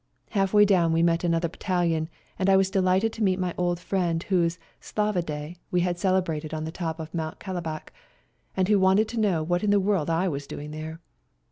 Half way down we met another battalion, and I was delighted to meet my old friend whose " Slava day " we 146 FIGHTING ON MOUNT CHUKUS had celebrated on the top of Mount Kalabac, and who wanted to know what in the world I was doing here.